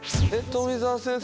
富澤先生